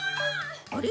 あれ？